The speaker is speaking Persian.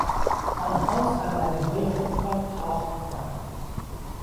آنها صندلیهای خود را تاخت زدند.